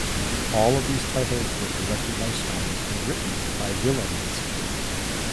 All of these titles were directed by Stein and written by Willens.